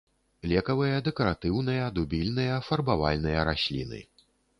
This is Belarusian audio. Лекавыя, дэкаратыўныя, дубільныя, фарбавальныя расліны.